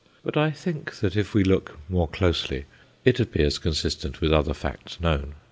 But I think that if we look more closely it appears consistent with other facts known.